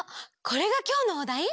これがきょうのおだい？